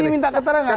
dia minta keterangan